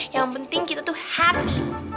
yang penting kita tuh hati